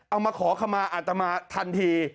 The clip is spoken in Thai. เอามาขอคำมาอัตมาทันที